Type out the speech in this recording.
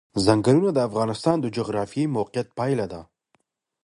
ځنګلونه د افغانستان د جغرافیایي موقیعت پایله ده.